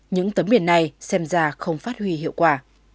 những tấm biển này xem ra không phát huy hiệu quả